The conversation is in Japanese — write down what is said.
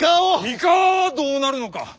三河はどうなるのか。